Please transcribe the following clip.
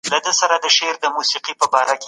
د اسلام په لار کي بریا زموږ مقدر ده.